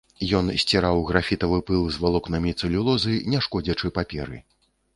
Ён сціраў графітавы пыл з валокнамі цэлюлозы не шкодзячы паперы.